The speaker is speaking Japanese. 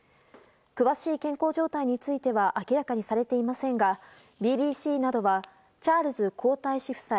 詳しい健康状態については明らかにされていませんがＢＢＣなどはチャールズ皇太子夫妻